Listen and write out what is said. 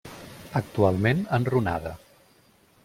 Actualment enrunada.